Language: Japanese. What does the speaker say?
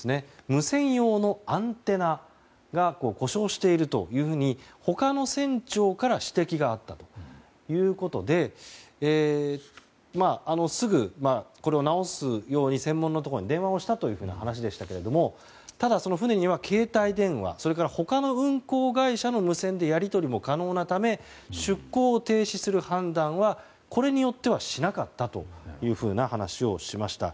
無線用のアンテナが故障しているというふうに他の船長から指摘があったということですぐ、これを直すように専門のところに電話をしたという話ですがただ、その船には携帯電話他の運航会社の無線でやり取りも可能なため出航を停止する判断はこれによってはしなかったというふうな話をしました。